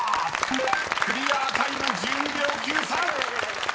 ［クリアタイム１２秒９３］